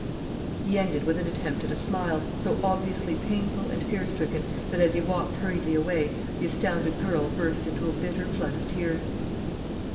He ended with an attempt at a smile, so obviously painful and fear stricken that as he walked hurriedly away, the astounded girl burst into a bitter flood of tears.